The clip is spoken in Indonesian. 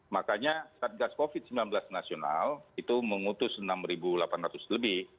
makanya satgas covid sembilan belas nasional itu mengutus enam delapan ratus lebih